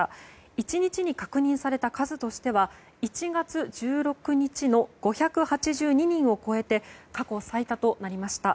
１日に確認された数としては１月１６日の５８２人を超えて過去最多となりました。